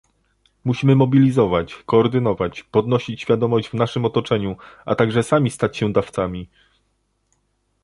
Musimy mobilizować, koordynować, podnosić świadomość w naszym otoczeniu, a także sami stać się dawcami